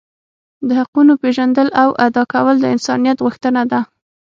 د حقونو پیژندل او ادا کول د انسانیت غوښتنه ده.